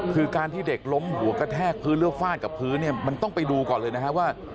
คือการที่เด็กล้มหัวกระแทกพื้นแล้วฟาดกับพื้นเนี่ยมันต้องไปดูก่อนเลยนะฮะว่า